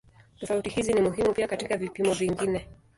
Tofauti hizi ni muhimu pia katika vipimo vingine.